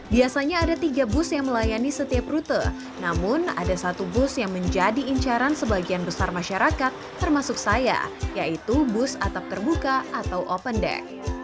biasanya ada tiga bus yang melayani setiap rute namun ada satu bus yang menjadi incaran sebagian besar masyarakat termasuk saya yaitu bus atap terbuka atau open deck